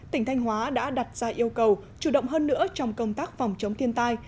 tỉnh thanh hóa đã đặt ra yêu cầu chủ động hơn nữa trong công tác phòng chống thiên tai